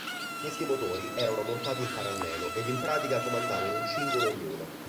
Questi motori erano montati in parallelo ed in pratica comandavano un cingolo ognuno.